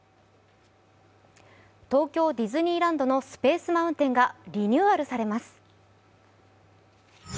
東京ディズニーランドのスペース・マウンテンがリニューアルされます。